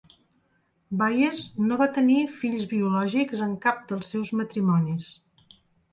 Bayes no va tenir fills biològics en cap dels seus matrimonis.